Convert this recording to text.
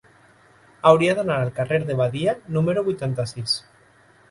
Hauria d'anar al carrer de Badia número vuitanta-sis.